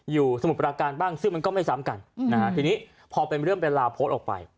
สมุทรปราการบ้างซึ่งมันก็ไม่ซ้ำกันนะฮะทีนี้พอเป็นเรื่องเป็นราวโพสต์ออกไป